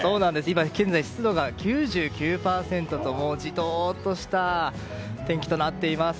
現在、湿度が９９％とジトッとした天気となっています。